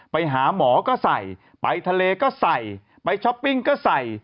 ไปหาหมอก็ใส่ไปทะเลก็ใส่ไปช้อปปิ้งก็ใส่